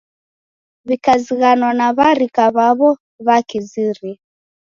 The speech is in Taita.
W'ikazighanwa na w'arika w'aw'o w'akizire.